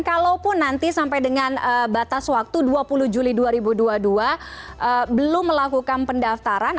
kalaupun nanti sampai dengan batas waktu dua puluh juli dua ribu dua puluh dua belum melakukan pendaftaran